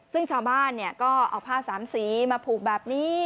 ซึ่งชาวบ้านก็เอาผ้าสามสีมาผูกแบบนี้